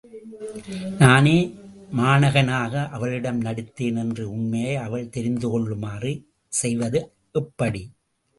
நானே மாணகனாக அவளிடம் நடித்தேன் என்ற உண்மையை அவள் தெரிந்து கொள்ளுமாறு செய்வது எப்படி?